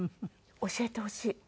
教えてほしい。